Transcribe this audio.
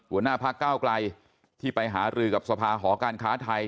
บรรณาภารกาวกลัยที่ไปหารือกับทรภาพหอการค้าไทย